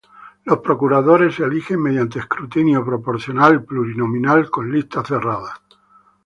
Los procuradores se eligen mediante escrutinio proporcional plurinominal con listas cerradas.